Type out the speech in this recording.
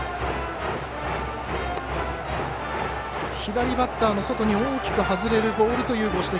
左バッターの外に大きく外れるボールというご指摘。